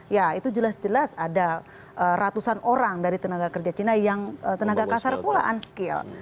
ya itu jelas jelas ada ratusan orang dari tenaga kerja cina yang tenaga kasar pula unskill